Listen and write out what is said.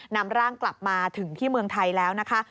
นำร่างกลับมาถึงที่เมืองไทยแล้วนะคะ